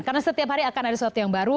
karena setiap hari akan ada sesuatu yang baru